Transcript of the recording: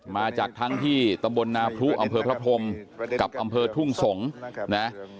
มาจากทั้งที่ตำบลนาพรุอำเภอพระพรมกับอำเภอทุ่งสงศ์นะ